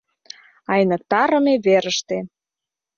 — Айныктарыме верыште.